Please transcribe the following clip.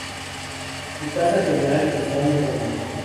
Su casa general está en Roma.